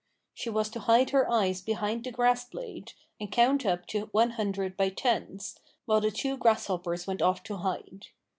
She was to hide her eyes behind the grassblade, and count up to one hundred by tens, while the two grasshoppers went off to hide.